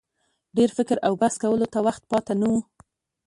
ډېر فکر او بحث کولو ته وخت پاته نه وو.